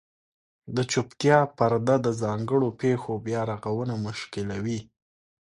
د چوپتیا پرده د ځانګړو پېښو بیارغونه مشکلوي.